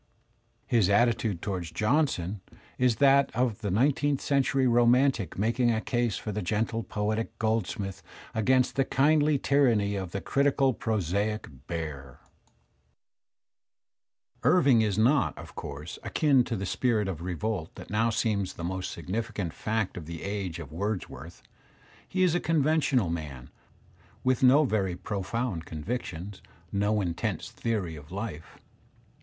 His attitude toward Johnson is that of the nineteenth centuiy romantic making a case for the gentle poetic Goldsmith against the kindly tyranny of the critical prosaic bear. Digitized by Google !) 28 THE SPIRIT OF AMERICAN LITERATURE Irving is not, of course, akin to the spirit of revolt that now seems the most significant fact of the age of Wordsworth; he is a conventional man, with no very profound convictions, no intense theory of life.